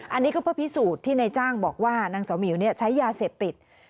อันนี้ก็เพื่อพิสูจน์ที่นายจ้างบอกว่านางสาวหมิวใช้ยาเสพติด